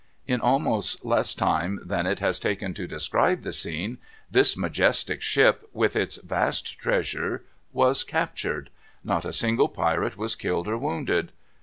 In almost less time than it has taken to describe the scene, this majestic ship with its vast treasures was captured. Not a single pirate was killed or wounded.